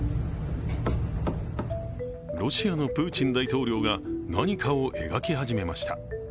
ロシアのプーチン大統領が何かを描き始めました。